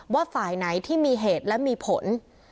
ว่าฝ่ายไหนที่มีเหตุและมีผล